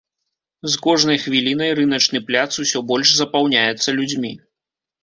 З кожнай хвілінай рыначны пляц усё больш запаўняецца людзьмі.